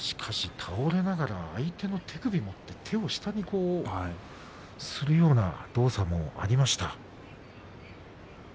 倒れながら相手の手首を持って、下にするような動作も見えました。